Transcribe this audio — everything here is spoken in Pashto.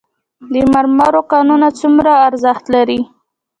د مرمرو کانونه څومره ارزښت لري؟